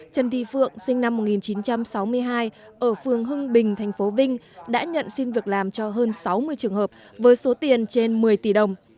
trần thị phượng sinh năm một nghìn chín trăm sáu mươi hai ở phường hưng bình tp vinh đã nhận xin việc làm cho hơn sáu mươi trường hợp với số tiền trên một mươi tỷ đồng